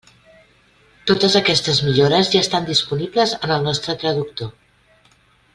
Totes aquestes millores ja estan disponibles en el nostre traductor.